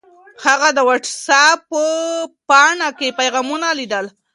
هغه د وټس اپ په پاڼه کې پیغامونه لیدل.